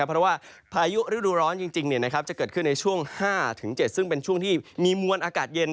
เพราะว่าพายุฤดูร้อนจริงจะเกิดขึ้นในช่วง๕๗ซึ่งเป็นช่วงที่มีมวลอากาศเย็น